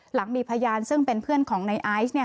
หลังมีพยานซึ่งเป็นเพื่อนของในไอซ์